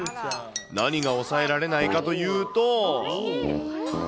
何が抑えられないかというと。